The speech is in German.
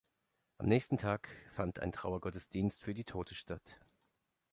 Am nächsten Tag fand ein Trauergottesdienst für die Tote statt.